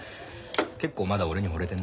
結構まだ俺にほれてんな。